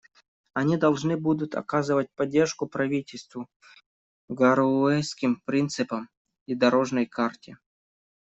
Они должны будут оказать поддержку правительству, «Гароуэсским принципам» и «дорожной карте».